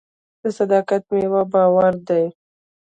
د صداقت میوه باور دی.